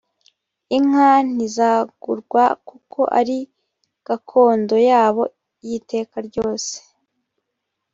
inka ntizagurwa kuko ari gakondo yabo y iteka ryose